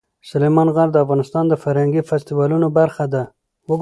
سلیمان غر د افغانستان د فرهنګي فستیوالونو برخه ده.